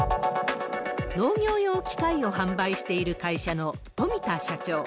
農業用機械を販売している会社の富田社長。